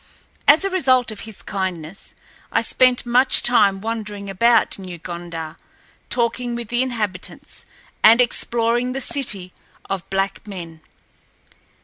As a result of his kindness, I spent much time wandering about New Gondar, talking with the inhabitants, and exploring the city of black men.